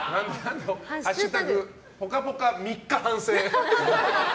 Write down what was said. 「＃ぽかぽか三日反省」。